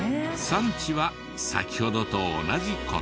産地は先ほどと同じ事。